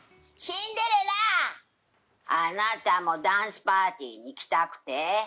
シンデレラ、あなたもダンスパーティーに行きたくて？